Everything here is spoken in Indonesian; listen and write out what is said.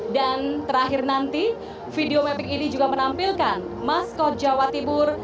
dan terakhir nanti video mapping ini juga menampilkan maskot jawa tibur